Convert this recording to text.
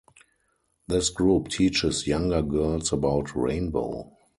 This group teaches younger girls about Rainbow.